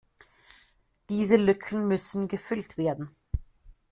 Diese Lücken müssen gefüllt werden!